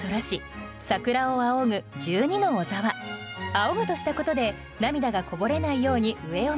「仰ぐ」としたことで涙がこぼれないように上を向く。